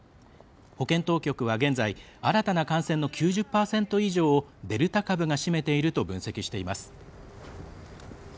保健当局は現在新たな感染の９０％以上をデルタ株が占めていると分析しています。